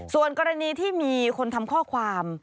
ส่วนกรณีที่มีคนทำข้อความ